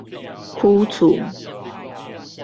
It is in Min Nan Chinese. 邱厝